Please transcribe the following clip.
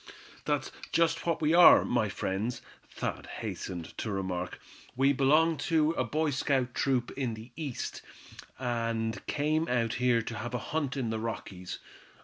"That's just what we are, my friends," Thad hastened to remark; "we belong to a Boy Scout troop in the East, and came out here to have a hunt in the Rockies.